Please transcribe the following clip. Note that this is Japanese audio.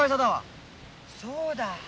そうだ。